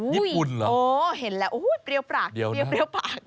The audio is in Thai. ยิปุ่นเหรอโอ้เห็นแล้วปรี้ยวปาก